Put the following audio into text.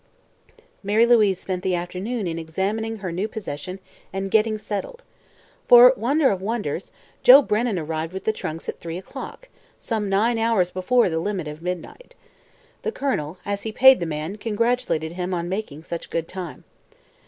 Mary Louise spent the afternoon in examining her new possession and "getting settled." For wonder of wonders! Joe Brennan arrived with the trunks at three o'clock, some nine hours before the limit of midnight. The Colonel, as he paid the man, congratulated him on making such good time.